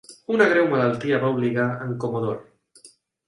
Una greu malaltia va obligar en Comdr.